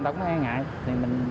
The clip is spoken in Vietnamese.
tất cả cũng e ngại